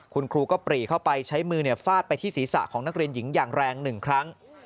คุณครูก็ปรีเข้าไปใช้มือฟาดไปที่ศีรษะของนักเรียนหญิงอย่างแรง๑ครั้ง